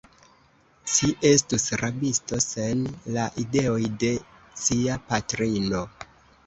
Ci estus rabisto, sen la ideoj de cia patrino.